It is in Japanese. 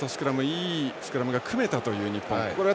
いいスクラムが組めたという日本。